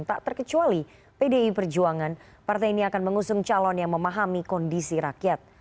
tak terkecuali pdi perjuangan partai ini akan mengusung calon yang memahami kondisi rakyat